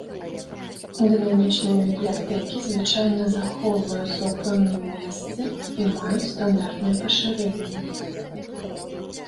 Дынамічныя бібліятэкі звычайна захоўваюцца ў пэўным месцы і маюць стандартнае пашырэнне.